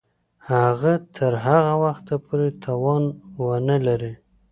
هغه تر هغه وخته پوري توان ونه لري.